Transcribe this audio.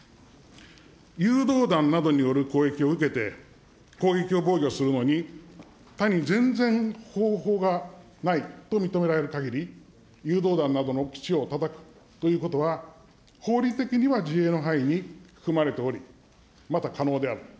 誘導弾などによる攻撃を受けて、攻撃を防御するのに、他に全然方法がないと認められる限り、誘導弾などの基地をたたくということは、法律的には自衛の範囲に含まれており、また可能である。